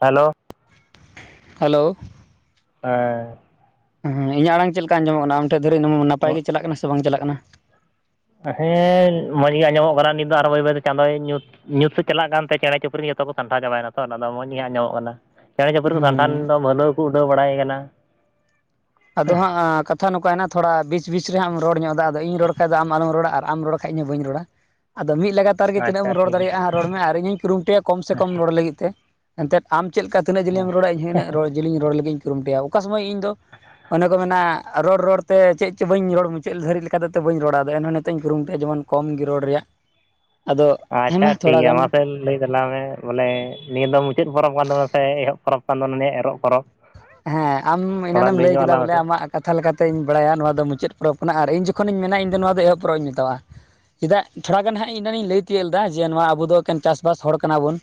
Hello hello ᱦᱮᱸ ᱦᱩ ᱤᱧᱟᱹᱜ ᱟᱲᱟᱝ ᱪᱮᱫ ᱞᱮᱠᱟ ᱟᱸᱡᱚᱢᱚᱜ ᱠᱟᱱᱟ ᱟᱢ ᱴᱷᱮᱱ ᱫᱷᱟᱹᱨᱤᱡ ᱩᱸ ᱱᱟᱯᱟᱭ ᱜᱮ ᱪᱟᱞᱟᱜ ᱠᱟᱱᱟ ᱥᱮ ᱵᱟᱝ ᱪᱟᱞᱟᱜ ᱠᱟᱱᱟ? ᱦᱮᱸ ᱢᱚᱡᱽ ᱜᱮ ᱟᱸᱡᱚᱢᱚᱜ ᱠᱟᱱᱟ ᱱᱤᱛ ᱫᱚ ᱟᱨᱚ ᱵᱟᱹᱭ ᱵᱟᱹᱭᱛᱮ ᱪᱟᱸᱫᱚᱭ ᱧᱩᱛᱼᱼ ᱧᱩᱛ ᱥᱮᱛ ᱪᱟᱞᱟᱜ ᱠᱟᱱᱛᱮ ᱪᱮᱬᱮ ᱪᱩᱯᱨᱤ ᱡᱚᱛᱚ ᱠᱚ ᱥᱟᱢᱴᱷᱟᱣ ᱪᱟᱵᱟᱭᱱᱟ ᱛᱚ ᱚᱱᱟ ᱫᱚ ᱢᱚᱸᱡᱽ ᱜᱮ ᱦᱟᱸᱜ ᱟᱸᱡᱚᱢᱚᱜ ᱠᱟᱱᱟ᱾ ᱪᱮᱸᱬᱮ ᱪᱩᱯᱨᱩ ᱫᱚ ᱥᱟᱱᱴᱷᱟᱱ ᱦᱮᱸ ᱫᱚ ᱢᱟᱹᱫᱟᱹᱣ ᱠᱩ ᱩᱰᱟᱹᱣ ᱵᱟᱲᱟᱭ ᱠᱟᱱᱟ᱾ ᱟᱫᱚ ᱦᱟᱸᱜ ᱟᱸ ᱠᱟᱛ ᱛᱷᱟᱱ ᱱᱚᱠᱟᱭᱱᱟ ᱛᱷᱚᱲᱟ ᱵᱤᱪ ᱵᱤᱪ ᱨᱮᱦᱟᱸᱜ ᱮᱢ ᱨᱚᱲ ᱧᱚᱜ ᱮᱫᱟ ᱟᱫᱚ ᱤᱧ ᱨᱚᱲ ᱠᱷᱟᱡ ᱟᱢ ᱟᱞᱚᱢ ᱨᱚᱲᱟ ᱟᱨ ᱟᱢ ᱨᱚᱲ ᱠᱷᱟᱡ ᱤᱧ ᱦᱚᱸ ᱵᱟᱹᱧ ᱨᱚᱲᱟ᱾ ᱟᱫᱚ ᱢᱤᱫ ᱞᱟᱜᱟᱛ ᱛᱟᱨ ᱜᱮ ᱛᱤᱱᱟᱹᱜ ᱟᱪᱪᱷᱟ ᱮᱢ ᱨᱚᱲ ᱴᱷᱤᱠ ᱜᱮᱭᱟ ᱫᱟᱲᱮᱭᱟᱜ-ᱟ ᱨᱚᱲ ᱢᱮ ᱟᱨ ᱤᱧᱦᱩᱧ ᱠᱩᱨᱩᱢᱩᱴᱩᱭᱟ ᱠᱚᱢ ᱥᱮ ᱠᱚᱢ ᱨᱚᱲ ᱞᱟᱹᱜᱤᱫ ᱛᱮ ᱮᱱᱛᱮᱫ ᱟᱢ ᱪᱮᱫ ᱠᱟ ᱛᱤᱱᱟᱹᱜ ᱡᱤᱞᱮᱧ ᱮᱢ ᱨᱚᱲᱟ ᱤᱧᱦᱚᱸ ᱤᱱᱟᱹᱜ ᱨᱚᱲ ᱡᱤᱞᱤᱧ ᱨᱚᱲ ᱞᱟᱹᱜᱤᱫ ᱤᱧ ᱠᱩᱨᱩᱢᱩᱴᱩᱭ ᱚᱠᱟ ᱥᱚᱢᱚᱭ ᱤᱧᱫᱚ ᱚᱱᱮ ᱠᱚ ᱢᱮᱱᱟ ᱨᱚᱲ ᱨᱚᱲᱛᱮ ᱪᱮᱫ ᱪᱚ ᱵᱟᱹᱧ ᱨᱚᱲ ᱢᱩᱪᱟᱹᱫ ᱫᱷᱟᱹᱨᱤᱡ ᱞᱮᱠᱟ ᱫᱚᱛᱮ ᱵᱟᱹᱧ ᱨᱚᱲᱟ ᱫᱟ ᱮᱱᱦᱚᱸ ᱱᱤᱛ ᱤᱧ ᱠᱩᱨᱩᱢᱩᱭᱟ ᱡᱮᱢᱚᱱ ᱠᱚᱢ ᱜᱤ ᱨᱚᱲ ᱨᱮᱭᱟᱜ᱾ ᱟᱫᱚ ᱦᱮᱸ ᱟᱪᱪᱷᱟ ᱢᱟ ᱴᱷᱤᱠ ᱛᱷᱚᱲᱟ ᱜᱮᱭᱟ ᱜᱟᱱ ᱢᱟᱥᱮ ᱞᱟᱹᱭ ᱪᱟᱞᱟᱣ ᱢᱮ ᱵᱚᱞᱮ ᱱᱤᱭᱟᱹ ᱫᱚ ᱢᱩᱪᱟᱹᱫ ᱯᱚᱨᱚᱵᱽ ᱠᱟᱱ ᱛᱟᱵᱚᱱᱟ ᱥᱮ ᱮᱦᱚᱵ ᱯᱚᱨᱚᱵᱽ ᱠᱟᱱ ᱫᱚ ᱱᱚᱱᱮ ᱮᱨᱚᱜ ᱯᱚᱨᱚᱵᱽ᱾ ᱦᱮᱸ ᱟᱢ ᱛᱷᱚᱲᱟ ᱮᱱᱟᱱᱮᱢ ᱞᱟᱹᱭ ᱧᱚᱜ ᱠᱮᱫᱟ ᱟᱞᱟᱝ ᱵᱚᱞᱮ ᱢᱮᱥᱮ ᱟᱢᱟᱜ ᱠᱟᱛᱷᱟ ᱞᱮᱠᱟᱛᱤᱧ ᱵᱟᱲᱟᱭᱟ ᱱᱚᱣᱟ ᱫᱚ ᱢᱩᱪᱟᱹᱫ ᱯᱚᱨᱚᱵᱽ ᱠᱟᱱᱟ ᱟᱨ ᱤᱧ ᱡᱚᱠᱷᱚᱱᱤᱧ ᱢᱮᱱᱟ ᱤᱧᱫᱚ ᱱᱚᱣᱟ ᱫᱚ ᱮᱦᱚᱵ ᱯᱚᱨᱚᱵᱽ ᱤᱧ ᱢᱮᱛᱟ ᱣᱟ ᱾ ᱪᱮᱫᱟᱜ ᱛᱷᱚᱲᱟ ᱜᱟᱱ ᱦᱟᱸᱜ ᱤᱧ ᱫᱚ ᱤᱧ ᱞᱟᱹᱭ ᱛᱤᱭᱳᱜ ᱞᱮᱫᱟ ᱡᱮ ᱱᱚᱣᱟ ᱟᱵᱚ ᱫᱚ ᱮᱠᱮᱱ ᱪᱟᱥᱵᱟᱥ ᱦᱚᱲ ᱠᱟᱱᱟ ᱵᱚᱱ᱾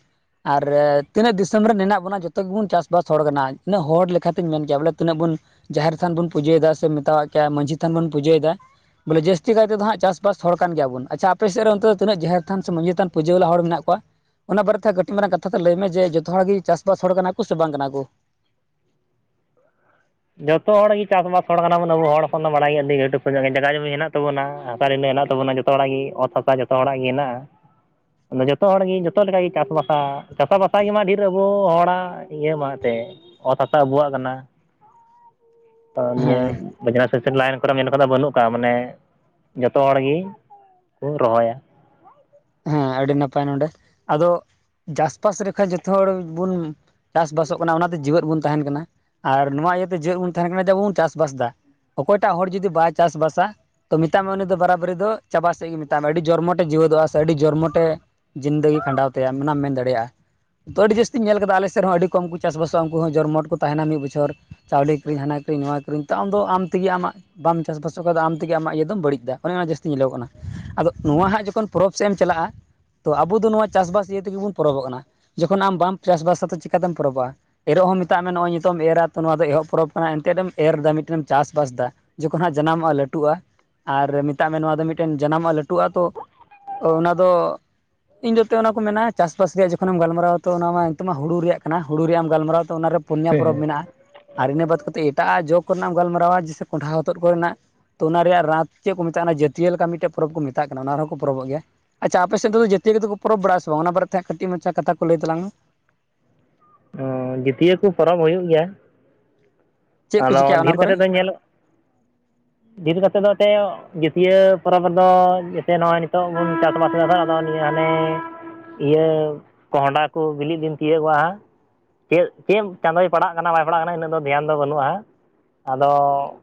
ᱟᱨ ᱨᱮ ᱛᱤᱱᱟᱹᱜ ᱫᱤᱥᱚᱢ ᱨᱮ ᱢᱮᱱᱟᱜᱮ ᱵᱚᱱᱟ ᱡᱚᱛᱚ ᱜᱮᱵᱚᱱ ᱪᱟᱥᱵᱟᱥ ᱦᱚᱲ ᱠᱟᱱᱟ ᱤᱱᱟᱹᱜ ᱦᱚᱲ ᱞᱮᱠᱷᱟ ᱛᱤᱧ ᱢᱮᱱ ᱠᱮᱭᱟ ᱵᱚᱞᱮ ᱛᱤᱱᱟᱹᱜ ᱵᱚᱱ ᱡᱟᱦᱮᱨ ᱛᱷᱟᱱ ᱵᱚᱱ ᱯᱩᱡᱟᱹᱭᱮᱫᱟ ᱥᱮ ᱢᱮᱛᱟᱭ-ᱟ ᱠᱮᱭᱟ ᱢᱟᱹᱡᱷᱤ ᱛᱷᱟᱱ ᱵᱚᱱ ᱯᱩᱡᱟᱹᱭᱮᱫᱟ ᱵᱚᱞᱮ ᱡᱟᱹᱥᱛᱤ ᱠᱟᱭᱛᱮ ᱫᱚ ᱦᱟᱜ ᱪᱟᱥᱵᱟᱥ ᱦᱚᱲ ᱠᱟᱱ ᱜᱮᱭᱟᱵᱚᱱ ᱟᱪᱪᱷᱟ ᱟᱯᱮ ᱥᱮᱫ ᱨᱮ ᱚᱱᱛᱮ ᱫᱚ ᱛᱤᱱᱟᱹᱜ ᱡᱟᱦᱮᱨ ᱛᱷᱟᱱ ᱥᱮ ᱢᱟᱡᱷᱤ ᱛᱷᱟᱱ ᱯᱩᱡᱟᱹ ᱣᱞᱟ ᱦᱚᱲ ᱢᱮᱱᱟᱜ ᱠᱚᱣᱟ? ᱚᱱᱟ ᱵᱟᱨᱮᱛᱮ ᱠᱟᱹᱴᱤᱡ ᱢᱟᱨᱟᱝ ᱠᱟᱛᱷᱟ ᱛᱮ ᱞᱟᱹᱭ ᱢᱮ ᱡᱮ ᱡᱚᱛᱚ ᱦᱚᱲ ᱜᱮ ᱪᱟᱥᱵᱟᱥ ᱦᱚᱲ ᱠᱟᱱᱟ ᱠᱚ ᱥᱮ ᱵᱟᱝ ᱠᱟᱱᱟ ᱠᱚ᱾ ᱡᱚᱛᱚ ᱦᱚᱲ ᱜᱮ ᱪᱟᱥᱵᱟᱥ ᱦᱚᱲ ᱠᱟᱱᱟ ᱵᱚᱱ ᱟᱵᱚ ᱦᱚᱲ ᱦᱚᱯᱚᱱ ᱫᱚ ᱵᱟᱲᱟᱭ ᱜᱮ ᱞᱤᱧᱟᱹᱴᱩᱵ [unintelligible] ᱠᱚ ᱧᱚᱜ ᱜᱮ ᱡᱟᱜᱟ ᱡᱚᱢᱤ ᱢᱮᱱᱟᱜ ᱛᱟᱵᱚᱱᱟ᱾ ᱦᱟᱥᱟ ᱰᱤᱱᱰᱟᱹ ᱦᱮᱱᱟᱜ ᱛᱟᱵᱚᱱᱟ ᱡᱚᱛᱚ ᱦᱚᱲᱟᱜ ᱜᱮ ᱚᱛ ᱦᱟᱥᱟ ᱡᱚᱛᱚ ᱦᱚᱲᱟᱜ ᱜᱮ ᱦᱮᱱᱟᱜᱼᱟ᱾ ᱟᱫᱚ ᱡᱚᱛᱚ ᱦᱚᱲᱜᱮ ᱡᱚᱛᱚ ᱞᱮᱠᱟᱜᱮ ᱪᱟᱥᱵᱟᱥᱟ ᱪᱟᱥᱟᱵᱟᱥᱟ ᱜᱮᱢᱟ ᱰᱷᱮᱨ ᱟᱵᱚ ᱦᱚᱲᱟᱜ ᱤᱭᱟᱹ ᱢᱟ ᱮᱱᱛᱮᱫ ᱚᱛ ᱦᱟᱥᱟ ᱟᱵᱚᱣᱟᱜ ᱠᱟᱱᱟ᱾ ᱛ ᱱᱤᱭᱟᱹ ᱦᱮᱸ ᱵᱟᱡᱨᱟᱥ ᱥᱮᱥᱮᱱ ᱞᱟᱭᱤᱱ ᱠᱚᱨᱮᱢ ᱢᱮᱱ ᱠᱟᱫᱚ ᱵᱟᱹᱱᱩᱜ ᱠᱟᱜᱼᱟ ᱢᱟᱱᱮ ᱡᱚᱛᱚ ᱦᱚᱲ ᱜᱮ ᱠᱚ ᱨᱚᱦᱚᱭᱟ᱾ ᱦᱮᱸ ᱟᱹᱰᱤ ᱱᱟᱯᱟᱭ ᱱᱚᱰᱮ ᱟᱫᱚ ᱡᱟᱥᱯᱟᱥ ᱨᱮᱠᱟᱡ ᱡᱚᱛᱚ ᱦᱚᱲ ᱵᱚᱱ ᱪᱟᱥᱵᱟᱥᱚᱜ ᱠᱟᱱᱟ ᱚᱱᱟᱛᱮ ᱡᱮᱣᱭᱮᱫ ᱵᱚᱱ ᱛᱟᱦᱮᱱ ᱠᱟᱱᱟ ᱟᱨ ᱱᱚᱣᱟ ᱤᱭᱟᱹᱛᱮ ᱡᱮᱣᱮᱫ ᱵᱚᱱ ᱛᱟᱦᱮᱱ ᱠᱟᱱᱟ ᱡᱮ ᱟᱵᱚ ᱵᱚᱱ ᱪᱟᱥᱵᱟᱥ ᱮᱫᱟ᱾ ᱚᱠᱚᱭᱴᱟᱜ ᱦᱚᱲ ᱡᱩᱫᱤ ᱵᱟᱭ ᱪᱟᱥ ᱵᱟᱥᱟ ᱛᱚ ᱢᱮᱛᱟ ᱢᱮ ᱩᱱᱤ ᱫᱚ ᱵᱟᱨᱟᱵᱟᱹᱨᱤ ᱫᱚ ᱪᱟᱵᱟᱥᱮᱫ ᱜᱮ ᱢᱮᱛᱟᱭ ᱢᱮ ᱟᱹᱰᱤ ᱡᱚᱨᱢᱚᱴᱮ ᱡᱤᱣᱭᱮᱫᱚᱜᱼᱟ ᱟᱹᱰᱤ ᱡᱚᱨᱢᱚᱴᱮ ᱡᱤᱱᱫᱮᱜᱤ ᱠᱷᱟᱸᱰᱟᱣ ᱛᱟᱭᱟ ᱚᱱᱟᱢ ᱢᱮᱱ ᱫᱟᱲᱮᱭᱟᱜᱼᱟ᱾ ᱛᱚ ᱟᱹᱰᱤ ᱡᱟᱹᱥᱛᱤᱧ ᱧᱮᱞ ᱠᱮᱫ ᱫᱟ ᱟᱞᱮ ᱥᱮᱫ ᱦᱚᱸᱚᱸ ᱟᱹᱰᱤ ᱠᱚᱢ ᱠᱚ ᱪᱟᱥᱵᱟᱥᱚᱜᱼᱟ ᱩᱱᱠᱩ ᱦᱚᱸ ᱡᱚᱨᱢᱚᱴ ᱠᱚ ᱛᱟᱦᱮᱱᱟ ᱢᱤᱫ ᱵᱚᱪᱷᱚᱨ᱾ ᱪᱟᱣᱞᱮ ᱠᱤᱨᱤᱧ ᱦᱟᱱᱟ ᱠᱤᱨᱤᱧ ᱱᱚᱣᱟ ᱠᱤᱨᱤᱧ ᱛᱚ ᱟᱢ ᱫᱚ ᱟᱢ ᱛᱮᱜᱮ ᱟᱢᱟᱜ ᱵᱟᱢ ᱪᱟᱥᱵᱟᱥᱚᱜ ᱠᱷᱟᱱ ᱫᱚ ᱟᱢ ᱛᱮᱜᱮ ᱟᱢᱟᱜ ᱤᱭᱟᱹ ᱫᱚᱢ ᱵᱟᱹᱲᱤᱡᱫᱟ ᱚᱱᱮ ᱚᱱᱟ ᱡᱟᱹᱥᱛᱤ ᱧᱮᱞᱚᱜ ᱠᱟᱱᱟ ᱟᱫᱚ ᱱᱚᱣᱟ ᱦᱟᱸᱜ ᱡᱚᱠᱷᱚᱱ ᱯᱚᱨᱚᱵᱽ ᱥᱮᱫ ᱮᱢ ᱪᱟᱞᱟᱜᱼᱟ ᱛᱚ ᱟᱵᱚ ᱫᱚ ᱱᱚᱣᱟ ᱪᱟᱥᱵᱟᱥ ᱤᱭᱟᱹ ᱛᱮᱜᱮ ᱵᱚᱱ ᱯᱚᱨᱚᱵᱚᱜ ᱠᱟᱱᱟ᱾ ᱡᱚᱠᱷᱚᱱ ᱟᱢ ᱵᱟᱢ ᱪᱟᱥᱵᱟᱥᱟ ᱛᱚ ᱪᱤᱠᱠᱟᱛᱮᱢ ᱯᱚᱨᱚᱵᱚᱜᱼᱟ? ᱮᱨᱚᱜ ᱦᱚᱸ ᱢᱮᱛᱟᱜ ᱢᱮ ᱱᱚᱜᱼᱚᱭ ᱱᱤᱛᱚᱜ ᱮᱢ ᱮᱨᱟᱚ ᱛᱚ ᱱᱚᱣᱟ ᱫᱚ ᱮᱦᱚᱵ ᱯᱚᱨᱚᱵᱽ ᱠᱟᱱᱟ ᱮᱱᱛᱮᱫ ᱮᱢ ᱮᱨ ᱮᱫᱟ ᱢᱤᱫᱴᱮᱱ ᱮᱢ ᱪᱟᱥᱵᱟᱥ ᱮᱫᱟ᱾ ᱡᱚᱠᱷᱚᱱ ᱦᱟᱸᱜ ᱡᱟᱱᱟᱢᱚᱜᱼᱟ ᱞᱟᱹᱴᱩᱜᱼᱟ ᱟᱨ ᱢᱮᱛᱟᱜ ᱢᱮ ᱱᱚᱣᱟ ᱫᱚ ᱢᱤᱫᱴᱮᱱ ᱡᱟᱱᱟᱢᱚᱜᱼᱟ ᱞᱟᱹᱴᱩᱜᱼᱟ ᱛᱚ ᱚ ᱚᱱᱟ ᱫᱚ ᱤᱧ ᱡᱚᱨᱛᱮ ᱚᱱᱟ ᱠᱚ ᱢᱮᱱᱟ ᱪᱟᱥᱵᱟᱥ ᱨᱮᱭᱟᱜ ᱡᱚᱠᱷᱚᱱᱮᱢ ᱜᱟᱞᱢᱟᱨᱟᱣ ᱛᱚ ᱚᱱᱟ ᱢᱟ ᱱᱤᱛᱚᱜ ᱢᱟ ᱦᱩᱲᱩ ᱨᱮᱭᱟᱜ ᱠᱟᱱᱟ ᱦᱩᱲᱩ ᱨᱮᱭᱟᱜ ᱮᱢ ᱜᱟᱞᱢᱟᱨᱟᱣ ᱛᱚ ᱚᱱᱟᱨᱮ ᱯᱩᱱᱭᱟ ᱯᱚᱨᱚᱵᱽ ᱦᱮᱸ ᱢᱮᱱᱟᱜᱼᱟ ᱟᱨ ᱤᱱᱟᱹ ᱵᱟᱫ ᱠᱟᱛᱮᱫ ᱮᱴᱟᱜ ᱡᱚᱽ ᱠᱚᱨᱮᱱᱟᱜ ᱮᱢ ᱜᱟᱞᱢᱟᱨᱟᱣᱟ ᱡᱮᱥᱮ ᱠᱚᱸᱰᱷᱟ ᱦᱚᱛᱚᱫ ᱠᱚᱨᱮᱱᱟᱜ᱾ ᱛᱚ ᱚᱱᱟ ᱨᱮᱭᱟᱜ ᱨᱟᱟᱛ ᱪᱮᱫ ᱠᱚ ᱢᱮᱛᱟᱜ ᱟ ᱚᱱᱟ ᱟᱹᱛᱤᱭᱟᱹ ᱞᱮᱠᱟ ᱢᱤᱫᱴᱮᱱ ᱯᱚᱨᱚᱵᱽ ᱠᱚ ᱢᱮᱛᱟᱜ ᱠᱟᱱᱟ ᱚᱱᱟ ᱨᱮ ᱦᱚᱸ ᱠᱚ ᱯᱚᱨᱚᱵᱚᱜ ᱜᱮᱭᱟ᱾ ᱟᱪᱪᱷᱟ ᱟᱯᱮᱥᱮᱫ ᱫᱚ ᱡᱟᱹᱛᱭᱟᱹ ᱨᱮ ᱫᱚ ᱠᱚ ᱯᱚᱨᱚᱵᱽ ᱵᱟᱲᱟ ᱟᱜ ᱥᱮ ᱵᱟᱝ ᱚᱱᱟ ᱵᱟᱨᱮᱛᱮ ᱠᱟᱹᱴᱤᱡ ᱢᱟᱪᱷᱟ ᱠᱟᱛᱷᱟ ᱠᱚ ᱞᱟᱹᱭ ᱛᱟᱞᱟᱢᱮ᱾ ᱚ ᱡᱤᱛᱤᱭᱟᱹ ᱠᱩ ᱯᱚᱨᱚᱵᱽ ᱦᱩᱭᱩᱜ ᱜᱮᱭᱟ᱾ ᱪᱮᱫ ᱠᱚ ᱟᱫᱚ ᱪᱤᱠᱟᱹᱜᱼᱟ ᱚᱱᱟ ᱰᱷᱮᱨ ᱠᱚᱨᱮ ᱠᱟᱛᱮᱜ ᱫᱚ ᱧᱮᱞᱚᱜ [unintelligible] ᱰᱷᱮᱨ ᱠᱟᱛᱮᱫ ᱫᱚ ᱮᱱᱛᱮᱫ ᱡᱟᱹᱛᱭᱟᱹ ᱯᱚᱨᱚᱵᱽ ᱨᱮᱫᱚ ᱡᱮᱛᱮ ᱱᱚᱜᱼᱚᱭ ᱱᱤᱛᱚᱜ ᱵᱚᱱ ᱪᱟᱥ ᱵᱟᱥ ᱮᱫᱟ ᱱᱤᱭᱟᱹ ᱦᱟᱱᱮ ᱤᱭᱟᱹ ᱠᱚᱸᱦᱚᱰᱟ ᱠᱚ ᱵᱤᱞᱤᱜ ᱫᱤᱱ ᱛᱤᱭᱳᱜ ᱜᱚᱼᱟ᱾ ᱪᱮᱫ ᱪᱮᱫ ᱪᱟᱸᱫᱚᱳᱭ ᱯᱟᱲᱟᱜ ᱠᱟᱱᱟ ᱵᱟᱭ ᱯᱟᱲᱟᱜ ᱠᱟᱱᱟ ᱤᱱᱟᱹᱜ ᱫᱚ ᱫᱷᱮᱭᱟᱱ ᱫᱚ ᱵᱟᱹᱱᱩᱜᱼᱟ᱾ ᱟᱫᱚ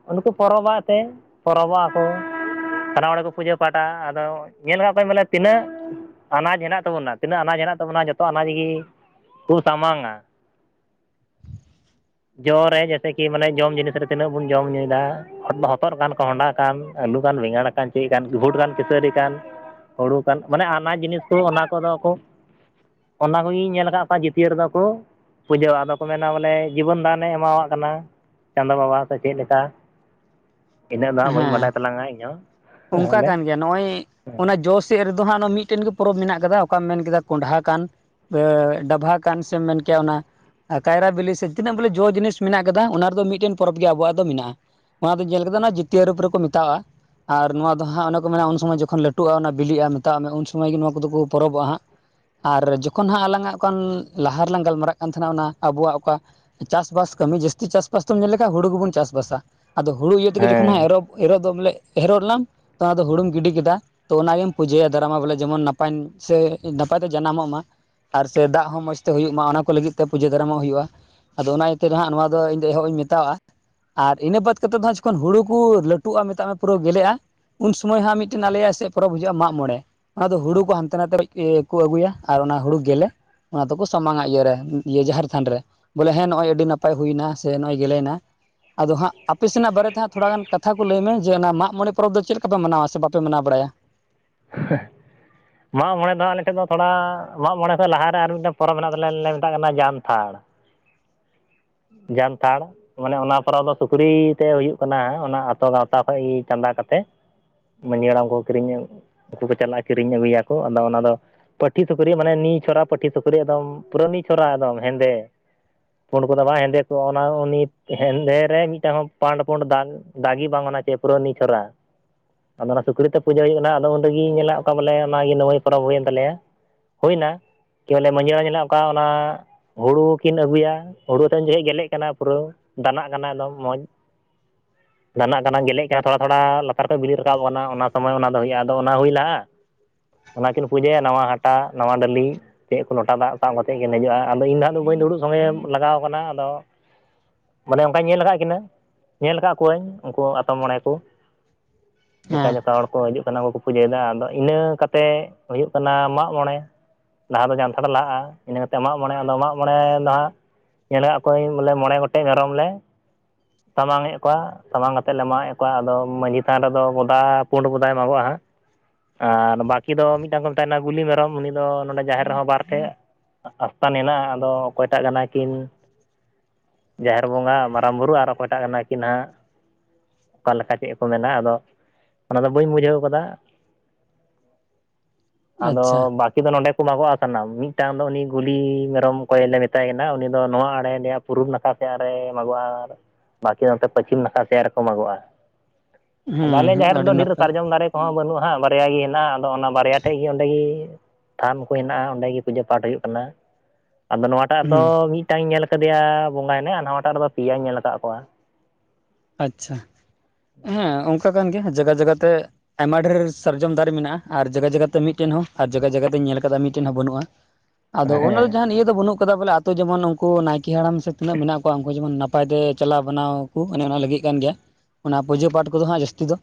ᱩᱱᱠᱩ ᱯᱚᱨᱚᱵᱟᱜ ᱛᱮ ᱯᱚᱨᱚᱵᱚᱜᱼᱟᱠᱚ᱾ ᱥᱟᱱᱟᱢ ᱦᱚᱲ ᱜᱮᱠᱚ ᱯᱩᱡᱟᱹ ᱯᱟᱦᱟᱴᱟ ᱟᱫᱚ ᱧᱮᱞ ᱢᱮ ᱦᱟ ᱚᱠᱚᱭ ᱵᱚᱞᱮ ᱛᱤᱱᱟᱹᱜ ᱟᱱᱟᱡᱽ ᱦᱮᱱᱟᱜ ᱛᱟᱵᱚᱱᱟ ᱛᱤᱱᱟᱹᱜ ᱟᱱᱟᱡᱽ ᱦᱮᱱᱟᱜ ᱛᱟᱵᱚᱱᱟ ᱡᱚᱛᱚ ᱟᱱᱟᱡᱽ ᱜᱮ ᱠᱚ ᱥᱟᱢᱟᱝ ᱟ [inaudible] ᱡᱚ ᱨᱮ ᱡᱟ ᱥᱮᱠᱤ ᱢᱟᱱᱮ ᱡᱚᱢ ᱡᱤᱱᱤᱥ ᱨᱮ ᱛᱤᱱᱟᱹᱜ ᱵᱚᱱ ᱡᱚᱢ ᱧᱩᱭ ᱮᱫᱟ᱾ ᱦᱚᱴᱚ ᱦᱚᱛᱚᱫᱽ ᱠᱟᱱ ᱠᱚᱦᱚᱸᱰᱟ ᱠᱟᱱ ᱟᱹᱞᱩ ᱠᱟᱱ ᱵᱮᱸᱜᱟᱲ ᱠᱟᱱ ᱪᱤᱞᱤ ᱠᱟᱱᱟ ᱜᱩᱦᱩᱴ ᱠᱟᱱ ᱠᱤᱥᱟᱹᱨᱤ ᱠᱟᱱ ᱦᱳᱲᱳ ᱠᱟᱱ ᱢᱟᱱᱮ ᱟᱱᱟᱡᱽ ᱡᱤᱱᱤᱥ ᱠᱚ ᱚᱱᱟ ᱠᱚᱫᱚ ᱠᱚ ᱚᱱᱟ ᱠᱚᱜᱤᱧ ᱧᱮᱞ ᱟᱠᱟᱫ ᱠᱚᱣᱟ ᱡᱤᱛᱭᱟᱹᱨ ᱫᱟᱠᱚ ᱯᱩᱡᱟᱹ ᱟᱫᱚ ᱠᱚ ᱢᱮᱱᱟ ᱵᱚᱞᱮ ᱡᱤᱵᱚᱱ ᱫᱟᱱᱮ ᱮᱢᱟᱣ ᱟᱫ ᱠᱟᱱᱟ ᱪᱟᱸᱫᱚ ᱵᱟᱵᱟ ᱥᱮ ᱪᱮᱫ ᱞᱮᱠᱟ ᱤᱱᱟᱹᱜ ᱫᱚ ᱦᱟᱸᱜ ᱵᱟᱹᱧ ᱦᱮᱸ ᱵᱟᱰᱟᱭ ᱛᱟᱞᱟᱝᱟ ᱤᱧ ᱦᱚᱸ ᱛᱟᱦᱚᱞᱮ ᱪᱮᱫ ᱨᱮᱫᱚ ᱦᱟᱸᱜ ᱱᱚᱣᱟ ᱢᱤᱫᱴᱮᱱ ᱜᱮ ᱯᱚᱨᱚᱵᱽ ᱢᱮᱱᱟᱜ ᱟᱠᱟᱫᱟ ᱚᱠᱟᱢ ᱢᱮᱱ ᱠᱮᱫᱟ ᱠᱚᱸᱰᱷᱟ ᱠᱟᱱ ᱥᱮ ᱰᱟᱵᱷᱟ ᱠᱟᱱ ᱥᱮᱢ ᱢᱮᱱ ᱠᱮᱜ-ᱟ ᱚᱱᱟ ᱠᱟᱭᱨᱟ ᱵᱤᱞᱤ ᱥᱮ ᱛᱤᱱᱟᱹᱜ ᱵᱚᱞᱮ ᱡᱚ ᱡᱤᱱᱤᱥ ᱢᱮᱱᱟᱜ ᱟᱠᱟᱫᱟ ᱚᱱᱟ ᱨᱮᱫᱚ ᱢᱤᱫᱴᱮᱱ ᱯᱚᱨᱚᱵᱽ ᱜᱮ ᱟᱵᱚᱣᱟᱜ ᱫᱚ ᱢᱮᱱᱟᱜᱼᱟ᱾ ᱚᱱᱟ ᱫᱚᱧ ᱧᱮᱞ ᱠᱮᱫᱟ ᱚᱱᱟ ᱡᱟᱛᱤᱭᱟᱹ ᱨᱩᱯ ᱨᱮᱠᱚ ᱢᱮᱛᱟᱜᱼᱟ᱾ ᱟᱨ ᱱᱚᱣᱟ ᱫᱚ ᱦᱟᱸᱜ ᱚᱱᱮ ᱠᱚ ᱢᱮᱱᱟ ᱩᱱ ᱥᱚᱢᱚᱭ ᱡᱚᱠᱷᱚᱱ ᱞᱟᱹᱴᱩᱜᱼᱟ ᱚᱱᱟ ᱵᱤᱞᱤᱜᱼᱟ ᱢᱮᱛᱟᱜ ᱢᱮ ᱩᱱ ᱥᱚᱢᱚᱭ ᱜᱮ ᱱᱚᱣᱟ ᱠᱚᱫᱚ ᱠᱚ ᱯᱚᱨᱚᱵᱚᱜᱼᱟᱜ ᱦᱟᱸᱜ᱾ ᱟᱨ ᱡᱚᱠᱷᱚᱱ ᱦᱟᱸᱜ ᱟᱞᱟᱝᱟᱜ ᱚᱠᱟ ᱞᱟᱦᱟ ᱨᱮᱞᱟᱝ ᱜᱟᱞᱢᱟᱨᱟᱜ ᱠᱟᱱ ᱛᱟᱦᱮᱱᱟ ᱚᱱᱟ ᱟᱵᱚᱣᱟᱜ ᱚᱠᱟ ᱪᱟᱥᱵᱟᱥ ᱠᱟᱹᱢᱤ ᱡᱟᱹᱥᱛᱤ ᱪᱟᱥᱵᱟᱥ ᱛᱚᱢ ᱧᱮᱞ ᱞᱮᱠᱷᱟᱱ ᱦᱩᱲᱩ ᱜᱮᱵᱚᱱ ᱪᱟᱥᱵᱟᱥᱟ ᱟᱫᱚ ᱦᱩᱲᱩ ᱤᱭᱟᱹ ᱛᱮᱜᱮ ᱡᱚᱠᱷᱚᱱ ᱦᱟᱸᱜ ᱦᱮᱸ ᱮᱨᱚᱜ ᱫᱚᱢ ᱞᱮ ᱮᱨᱚᱜᱱᱟᱢ ᱛᱚ ᱫᱚ ᱦᱩᱲᱩᱢ ᱜᱤᱰᱤ ᱠᱮᱫᱟ᱾ ᱛᱚ ᱚᱱᱟᱜᱮᱢ ᱯᱩᱡᱟᱹᱭᱟ ᱫᱟᱨᱟᱢᱟ ᱵᱚᱞᱮ ᱡᱮᱢᱚᱱ ᱱᱟᱯᱟᱭ ᱱᱟᱯᱟᱭ ᱛᱮ ᱡᱟᱱᱟᱢᱚᱜ ᱢᱟ᱾ ᱟᱨ ᱥᱮ ᱫᱟᱜ ᱦᱚᱸ ᱢᱚᱸᱡᱽ ᱛᱮ ᱦᱩᱭᱩᱜ ᱢᱟ ᱚᱱᱟ ᱠᱚ ᱞᱟᱹᱜᱤᱫ ᱛᱮ ᱯᱩᱡᱟᱹ ᱫᱟᱨᱟᱢᱚᱜ ᱦᱩᱭᱩᱜᱼᱟ᱾ ᱟᱫᱚ ᱚᱱᱟ ᱤᱭᱟᱹᱛᱮ ᱦᱟᱸᱜ ᱱᱚᱣᱟ ᱫᱚ ᱤᱧ ᱫᱚ ᱮᱦᱚᱵ ᱤᱧ ᱢᱮᱛᱟᱜᱼᱟ ᱟᱨ ᱤᱱᱟᱹ ᱵᱟᱫ ᱠᱟᱛᱮ ᱫᱚ ᱡᱚᱠᱷᱚᱱ ᱦᱩᱲᱩ ᱠᱩ ᱞᱟᱹᱴᱩᱜᱼᱟ ᱢᱮᱛᱟᱜ ᱢᱮ ᱯᱩᱨᱟᱹ ᱜᱮᱞᱮᱜᱼᱟ ᱩᱱ ᱥᱩᱢᱚᱭ ᱦᱟᱸᱜ ᱢᱤᱫᱴᱮᱱ ᱟᱞᱮᱭᱟᱜ ᱥᱮᱜ ᱯᱚᱨᱚᱵ ᱦᱤᱡᱩᱜᱼᱟ ᱢᱟᱜᱽ ᱢᱚᱬᱮ᱾ ᱟᱫᱚ ᱦᱩᱲᱩ ᱠᱚ ᱦᱟᱱᱛᱮ ᱱᱟᱛᱮ ᱤᱭᱟᱹ ᱠᱚ ᱟᱹᱜᱩᱭᱟ ᱟᱨ ᱚᱱᱟ ᱦᱩᱲᱩ ᱜᱮᱞᱮ ᱚᱱᱟ ᱫᱚᱠᱚ ᱥᱟᱢᱟᱝᱟ ᱤᱭᱟᱹᱨᱮ ᱤᱭᱟᱹ ᱡᱟᱦᱮᱨ ᱛᱷᱟᱱ ᱨᱮ᱾ ᱵᱚᱞᱮ ᱦᱮᱸ ᱱᱚᱜᱼᱚᱭ ᱟᱹᱰᱤ ᱱᱟᱯᱟᱭ ᱦᱩᱭᱱᱟ ᱥᱮ ᱱᱚᱜᱼᱚᱭ ᱜᱮᱞᱮᱭᱱᱟ ᱟᱫᱚ ᱦᱟᱸᱜ ᱟᱯᱮ ᱥᱮᱱᱟᱜ ᱵᱟᱨᱮᱛᱮ ᱦᱟᱸᱜ ᱛᱷᱚᱲᱟ ᱜᱟᱱ ᱠᱟᱛᱷᱟ ᱠᱚ ᱞᱟᱹᱭ ᱢᱮ ᱡᱮ ᱚᱱᱟ ᱢᱟᱜᱽ ᱢᱚᱬᱮ ᱯᱚᱨᱚᱵᱽ ᱫᱚ ᱪᱮᱫ ᱞᱮᱠᱟ ᱯᱮ ᱢᱟᱱᱟᱣᱟ ᱥᱮ ᱵᱟᱯᱮ ᱢᱟᱱᱟᱣ ᱵᱟᱲᱟᱭᱟ? ᱦᱮᱸ ᱢᱟᱜᱽ ᱢᱚᱬᱮ ᱟᱞᱮ ᱴᱷᱮᱜ ᱫᱚ ᱛᱷᱚᱲᱟ ᱢᱟᱜᱽ ᱢᱚᱬᱮ ᱠᱷᱚᱡᱽ ᱞᱟᱦᱟᱨᱮ ᱟᱨ ᱢᱤᱫᱴᱟᱝ ᱯᱚᱨᱚᱵᱽ ᱦᱮᱱᱟᱜ ᱛᱟᱞᱮᱭᱟ ᱟᱞᱮ ᱞᱮ ᱢᱮᱛᱟᱜ ᱠᱟᱱᱟ ᱡᱟᱱᱛᱷᱟᱲ᱾ ᱡᱟᱢᱛᱷᱟᱲ ᱢᱟᱱᱮ ᱚᱱᱟ ᱯᱚᱨᱚᱵᱽ ᱫᱚ ᱥᱩᱠᱨᱤ ᱛᱮ ᱦᱩᱭᱩᱜ ᱠᱟᱱᱟ ᱚᱱᱟ ᱟᱛᱳ ᱜᱟᱶᱛᱟ ᱠᱷᱚᱡᱽ ᱤᱭᱟᱹ ᱪᱟᱸᱫᱟ ᱠᱟᱛᱮ᱾ ᱢᱟᱹᱡᱷᱤ ᱦᱟᱲᱟᱢ ᱠᱚ ᱠᱤᱨᱤᱧ ᱩᱱᱠᱩ ᱠᱚ ᱪᱟᱞᱟᱜᱼᱟ ᱠᱤᱨᱤᱧ ᱟᱹᱜᱩᱭᱟᱠᱚ ᱟᱫᱚ ᱚᱱᱟᱫᱚ ᱯᱟᱹᱴᱷᱤ ᱥᱩᱠᱨᱤ ᱢᱟᱱᱮ ᱱᱤᱪᱷᱚᱲᱟ ᱯᱟᱹᱴᱷᱤ ᱥᱩᱠᱨᱤ ᱮᱫᱚᱢ ᱯᱷᱩᱨᱟᱹ ᱱᱤᱪᱷᱚᱲᱟ ᱮᱫᱚᱢ ᱦᱮᱸᱫᱮ ᱠᱚ ᱵᱟᱝ ᱦᱮᱸᱫᱮ ᱠᱚ ᱚᱱᱟ ᱩᱱᱤ ᱦᱮᱸᱫᱮ ᱨᱮ ᱢᱤᱫᱴᱟᱝ ᱦᱚᱸ ᱯᱟᱸᱱᱰ ᱯᱩᱰ ᱫᱟᱜ ᱫᱟᱜᱤ ᱵᱟᱝ ᱚᱱᱟ ᱪᱮ ᱯᱩᱨᱟᱹ ᱱᱤᱪᱷᱚᱲᱟ ᱟᱫᱚ ᱚᱱᱟ ᱥᱩᱠᱨᱤ ᱛᱮ ᱯᱩᱡᱟᱹ ᱦᱩᱭᱩᱜ ᱠᱟᱱᱟ ᱟᱫᱚ ᱚᱰᱮᱜᱤᱧ ᱧᱮᱞᱟ ᱚᱠᱟ ᱵᱚᱞᱮ ᱚᱱᱟᱜᱮ ᱚᱱᱟ ᱤᱭᱟᱹ ᱯᱚᱨᱚᱵ ᱦᱩᱭᱮᱱ ᱛᱟᱞᱮᱭᱟ᱾ ᱦᱩᱭᱱᱟ ᱠᱤ ᱵᱚᱞᱮ ᱢᱟᱹᱡᱷᱤ ᱦᱟᱲᱟᱢ ᱧᱮᱞᱟ ᱚᱱᱠᱟ ᱚᱱᱟ ᱦᱩᱲᱩ ᱠᱤᱱ ᱟᱹᱜᱩᱭᱟ᱾ ᱦᱩᱲᱩ ᱴᱷᱮᱱ ᱡᱚ ᱠᱷᱤᱡ ᱜᱮᱞᱮᱜ ᱠᱟᱱᱟ ᱯᱩᱨᱟᱹ ᱫᱟᱱᱟᱜ ᱠᱟᱱᱟ ᱮᱠᱫᱚᱢ ᱢᱚᱡᱽ᱾ ᱫᱟᱱᱟᱜ ᱠᱟᱱᱟ ᱜᱮᱞᱮᱜ ᱠᱟᱱᱟ ᱛᱷᱚᱲᱟ ᱛᱷᱚᱲᱟ ᱞᱟᱛᱟᱨ ᱠᱚ ᱵᱤᱞᱤ ᱨᱟᱠᱟᱵ ᱠᱟᱱᱟ ᱚᱱᱟ ᱥᱚᱢᱚᱭ ᱚᱱᱟ ᱫᱚ ᱦᱩᱭᱩᱜᱼᱟ ᱟᱫᱚ ᱚᱱᱟ ᱦᱩᱭ ᱞᱟᱦᱟ ᱚᱱᱟᱠᱤᱱ ᱯᱩᱡᱟᱹᱭᱟ ᱱᱟᱣᱟ ᱦᱟᱴᱟᱜ ᱱᱟᱣᱟ ᱰᱟᱹᱞᱤ᱾ ᱪᱮᱫ ᱠᱚ ᱞᱚᱴᱟ ᱫᱟᱜ ᱥᱟᱵ ᱠᱟᱛᱮᱫ ᱜᱮ ᱫᱮᱡᱚᱜᱼᱟ ᱟᱫᱚ ᱤᱧ ᱫᱚ ᱦᱟᱸᱜ ᱫᱚ ᱵᱟᱹᱧ ᱫᱩᱲᱩᱵ ᱥᱚᱢᱚᱭ ᱮ ᱞᱟᱜᱟᱣ ᱠᱟᱱᱟ ᱟᱫᱚ ᱢᱟᱱᱮ ᱚᱱᱠᱟᱧ ᱧᱮᱞ ᱟᱠᱟᱫ ᱠᱤᱱᱟᱹ ᱧᱮᱞ ᱟᱠᱟᱫ ᱠᱚᱣᱟᱹᱧ ᱩᱱᱠᱩ ᱟᱛᱳ ᱢᱚᱬᱮ ᱠᱚ᱾ ᱚᱱᱠᱟ ᱦᱮᱸ ᱡᱚᱛᱚ ᱦᱚᱲ ᱠᱚ ᱦᱤᱡᱩᱜ ᱠᱟᱱᱟ ᱩᱱᱠᱩ ᱠᱚ ᱯᱩᱡᱟᱹᱭᱮᱫᱟ ᱟᱫᱚ ᱤᱱᱟᱹᱠᱟᱛᱮᱫ ᱦᱩᱭᱩᱜ ᱠᱟᱱᱟ ᱢᱟᱜᱽ ᱢᱚᱬᱮ᱾ ᱞᱟᱦᱟ ᱫᱚ ᱡᱟᱱᱛᱷᱟᱲ ᱞᱟᱦᱟᱜᱼᱟ ᱤᱱᱟᱹ ᱠᱟᱛᱮ ᱢᱟᱜᱽ ᱢᱚᱬᱮ ᱟᱫᱚ ᱢᱟᱜᱽ ᱢᱚᱬᱮ ᱫᱚ ᱦᱟᱸᱜ ᱧᱮᱞ ᱠᱟᱜ ᱚᱠᱚᱭ ᱵᱚᱞᱮ ᱢᱚᱬᱮ ᱜᱚᱴᱮᱡ ᱢᱮᱨᱚᱢ ᱞᱮ ᱥᱟᱢᱟᱝ ᱮᱫ ᱠᱚᱣᱟ ᱥᱟᱢᱟᱝ ᱠᱟᱛᱮᱜ ᱞᱮ ᱢᱟᱜᱮᱫ ᱠᱚᱣᱟ ᱟᱫᱚ ᱢᱟᱺᱡᱷᱤ ᱛᱷᱟᱱ ᱨᱮᱫᱚ ᱵᱚᱫᱟ ᱯᱩᱸᱰ ᱵᱚᱫᱟᱭ ᱢᱟᱜᱚᱜᱼᱟ ᱦᱟᱸᱜ᱾ ᱟᱨ ᱵᱟᱹᱠᱤ ᱫᱚ ᱢᱤᱫᱴᱟᱝ ᱠᱚᱢ ᱛᱟᱦᱮᱱᱟ ᱜᱩᱞᱤ ᱢᱮᱨᱚᱢ ᱩᱱᱤ ᱫᱚ ᱱᱚᱰᱮ ᱡᱟᱦᱮᱨ ᱨᱮᱦᱚᱸ ᱵᱟᱨ ᱴᱷᱮᱡ ᱟᱥᱛᱟᱱᱮᱱᱟ ᱟᱫᱚ ᱚᱠᱚᱭᱴᱟᱜ ᱠᱟᱱᱟᱭ᱾ ᱠᱤᱱ ᱡᱟᱦᱮᱨ ᱵᱚᱸᱜᱟ ᱢᱟᱨᱟᱝ ᱵᱩᱨᱩ ᱟᱨ ᱚᱠᱚᱭᱴᱟᱜ ᱠᱟᱱᱟ ᱠᱤᱱ ᱦᱟᱸᱜ ᱚᱠᱟ ᱞᱮᱠᱟ ᱪᱮᱜ ᱠᱚ ᱢᱮᱱᱟ ᱟᱫᱚ ᱚᱱᱟᱫᱚ ᱵᱟᱹᱧ ᱵᱩᱡᱷᱟᱹᱣ ᱠᱟᱫᱟ᱾ [inaudible] ᱟᱪᱪᱷᱟ ᱟᱫᱚ ᱵᱟᱹᱠᱤ ᱫᱚ ᱱᱚᱸᱰᱮ ᱠᱚ ᱢᱟᱜᱚᱜ-ᱟ ᱥᱟᱱᱟᱢ ᱢᱤᱫᱴᱟᱝ ᱫᱚ ᱩᱱᱤ ᱜᱩᱞᱤ ᱢᱮᱨᱚᱢ ᱠᱚᱭ ᱞᱮ ᱢᱮᱛᱟᱭ ᱠᱟᱱᱟ᱾ ᱩᱱᱤ ᱫᱚ ᱱᱚᱣᱟ ᱟᱲᱮ ᱫᱮᱭᱟᱯ ᱯᱩᱨᱩᱵ ᱱᱟᱠᱷᱟ ᱥᱮ ᱟᱨᱮ ᱢᱟᱜᱚᱜ-ᱟ᱾ ᱵᱟᱹᱠᱤ ᱱᱚᱛᱮ ᱯᱚᱪᱷᱤᱢ ᱱᱟᱠᱷᱟ ᱥᱮᱜ ᱨᱮᱠᱚ ᱢᱟᱜᱚᱜ-ᱟ ᱟᱫᱚ ᱟᱞᱮ ᱦᱩᱸ ᱦᱩᱸ ᱡᱟᱦᱮᱨ ᱟᱹᱰᱤ ᱨᱮᱫᱚ ᱰᱷᱮᱨ ᱱᱟᱯᱟᱭ ᱥᱟᱨᱡᱚᱢ ᱫᱟᱨᱮ ᱠᱚᱦᱚᱸ ᱵᱟᱹᱱᱩᱜ-ᱟ ᱦᱟᱸᱜ ᱵᱟᱨᱭᱟ ᱜᱮ ᱦᱮᱱᱟᱜ-ᱟ ᱟᱫᱚ ᱚᱱᱟ ᱵᱟᱨᱭᱟ ᱴᱷᱮᱡ ᱜᱮ ᱚᱸᱰᱮ ᱜᱮ ᱛᱷᱟᱱ ᱠᱚ ᱦᱮᱱᱟᱜ-ᱟ ᱚᱸᱰᱮ ᱜᱮ ᱯᱩᱡᱟᱹ ᱯᱟᱴ ᱦᱩᱭᱩᱜ ᱠᱟᱱᱟ ᱟᱫᱚ ᱱᱚᱣᱟ ᱴᱟᱜ ᱦᱩᱸ ᱫᱚ ᱢᱤᱫᱴᱟᱝ ᱤᱧ ᱧᱮᱞ ᱟᱠᱟᱫᱮᱭᱟ ᱵᱚᱸᱜᱟ ᱦᱮᱱᱟᱭᱟ ᱟᱨ ᱱᱟᱣᱟᱴᱟᱜ ᱨᱮᱫᱚ ᱯᱮᱭᱟᱧ ᱧᱮᱞ ᱟᱠᱟᱜ ᱠᱚᱣᱟ ᱾ ᱟᱪᱪᱷᱟ ᱮᱸ ᱚᱱᱠᱟ ᱠᱟᱱ ᱜᱮᱭᱟ ᱡᱟᱸᱜᱟ ᱡᱟᱸᱜᱟ ᱛᱮ ᱟᱭᱢᱟ ᱰᱷᱮᱨ ᱥᱟᱨᱡᱚᱢ ᱫᱟᱨᱮ ᱢᱮᱱᱟᱜ-ᱟ ᱟᱨ ᱡᱟᱸᱜᱟ ᱡᱟᱸᱜᱟ ᱛᱮ ᱢᱤᱫᱴᱮᱱ ᱦᱚᱸ ᱟᱨ ᱡᱟᱸᱜᱟ ᱡᱟᱸᱜᱟ ᱛᱮᱧ ᱧᱮᱞ ᱠᱟᱫᱟ ᱢᱤᱫᱴᱮᱱ ᱦᱚᱸ ᱵᱟᱹᱱᱩᱜ-ᱟ ᱾ [inaudible] ᱟᱫᱚ ᱚᱱᱟ ᱫᱚ ᱦᱮᱸ ᱡᱟᱦᱟ ᱤᱭᱟᱹ ᱫᱚ ᱵᱟᱹᱱᱩᱜ ᱠᱟᱫᱟ ᱵᱚᱞᱮ ᱟᱛᱳ ᱡᱮᱢᱚᱱ ᱩᱱᱠᱩ ᱱᱟᱭᱠᱮ ᱦᱟᱲᱟᱢ ᱥᱮ ᱛᱤᱱᱟᱹᱜ ᱢᱮᱱᱟᱜ ᱠᱚᱣᱟ ᱩᱱᱠᱩ ᱡᱮᱢᱚᱱ ᱱᱟᱯᱟᱭ ᱛᱮ ᱪᱟᱞᱟᱣ ᱵᱟᱱᱟᱣ ᱠᱚ ᱾ ᱚᱱᱮ ᱚᱱᱟ ᱞᱟᱹᱜᱤᱜ ᱠᱟᱱ ᱜᱮᱭᱟ ᱚᱱᱟ ᱯᱩᱡᱟᱹ ᱯᱟᱴ ᱠᱚᱫᱚ ᱦᱟᱸᱜ ᱡᱟᱹᱥᱛᱤ ᱫᱚ